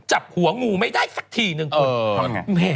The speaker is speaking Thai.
จับหัวงูไม่ได้สักทีนึงคุณ